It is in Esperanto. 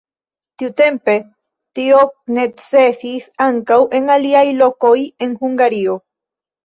Tiutempe tio necesis ankaŭ en aliaj lokoj en Hungario.